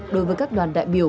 đối với các đoàn đại biểu